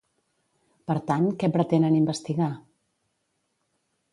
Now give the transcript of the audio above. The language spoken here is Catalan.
Per tant, què pretenen investigar?